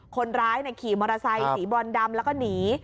คนร้ายขี่มอเตอร์ไซค์สีบรอนดำแล้วก็หนี